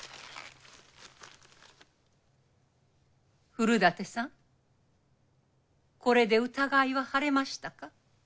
古館さんこれで疑いは晴れましたか？